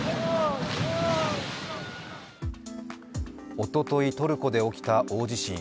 おとといトルコで起きた大地震。